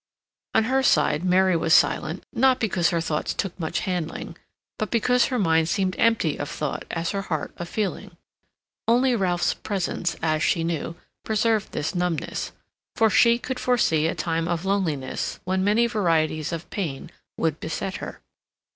On her side Mary was silent, not because her thoughts took much handling, but because her mind seemed empty of thought as her heart of feeling. Only Ralph's presence, as she knew, preserved this numbness, for she could foresee a time of loneliness when many varieties of pain would beset her.